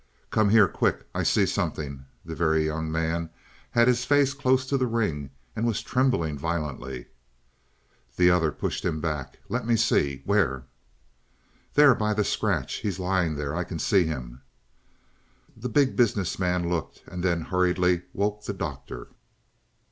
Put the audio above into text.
"Come here, quick, I see something." The Very Young Man had his face close to the ring and was trembling violently. The other pushed him back. "Let me see. Where?" "There, by the scratch; he's lying there; I can see him." The Big Business Man looked and then hurriedly woke the Doctor.